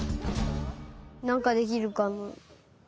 なんかできるかな？